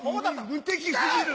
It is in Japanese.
無敵過ぎる。